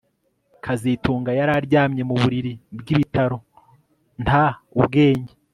kazitunga yari aryamye mu buriri bwibitaro nta ubwenge